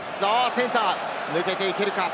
センター抜けていけるか。